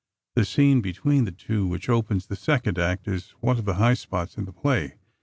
The scene between the two, which opens the second act, is one of the high spots in the play.